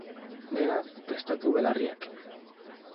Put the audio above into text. Beraz, prestatu belarriak!